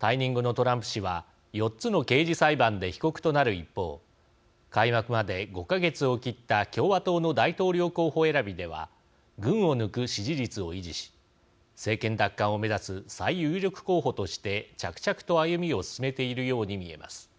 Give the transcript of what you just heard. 退任後のトランプ氏は４つの刑事裁判で被告となる一方開幕まで５か月を切った共和党の大統領候補選びでは群を抜く支持率を維持し政権奪還を目指す最有力候補として着々と歩みを進めているように見えます。